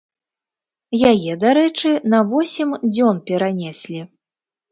Яе, дарэчы, на восем дзён перанеслі.